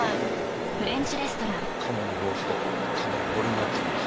はあ鴨のローストかなりボリュームあったな。